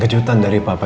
kejutan dari bapak